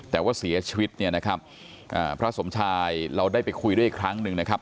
แต่ว่าเสียชีวิตเนี่ยนะครับอ่าพระสมชายเราได้ไปคุยด้วยอีกครั้งหนึ่งนะครับ